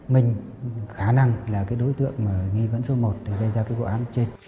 minh khả năng là cái đối tượng mà nghi vấn số một để gây ra cái vụ án trên